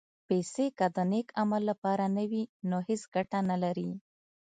پېسې که د نېک عمل لپاره نه وي، نو هېڅ ګټه نه لري.